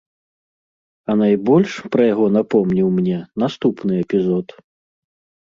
А найбольш пра яго напомніў мне наступны эпізод.